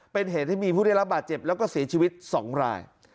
เป็นเหตุให้มีผู้ได้รับบาดเจ็บแล้วก็เสียชีวิต๒ราย